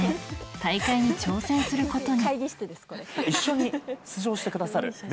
大会に挑戦することに。